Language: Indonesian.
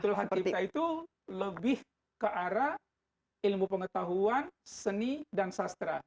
ya betul hak cipta itu lebih ke arah ilmu pengetahuan seni dan sastra